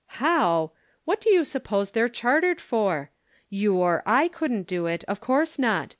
"'"How? what do you suppose they're chartered for? You or I couldn't do it; of course not.